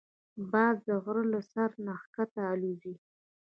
باز د غره له سر نه ښکته الوزي